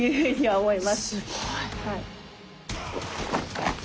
はい。